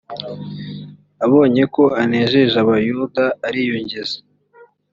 abonye ko anejeje abayuda ariyongeza